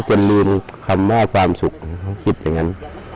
จนลืมคำว่าความสุขเขาคิดอย่างนั้น